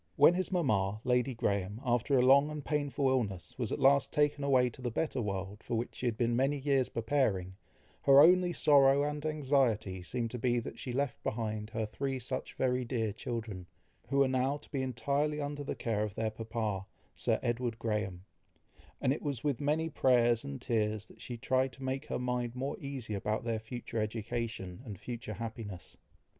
When his mama, Lady Graham, after a long and painful illness, was at last taken away to the better world, for which she had been many years preparing, her only sorrow and anxiety seemed to be that she left behind her three such very dear children, who were now to be entirely under the care of their papa, Sir Edward Graham; and it was with many prayers and tears that she tried to make her mind more easy about their future education, and future happiness.